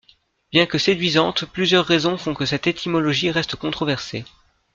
Bien que séduisante, plusieurs raisons font que cette étymologie reste controversée.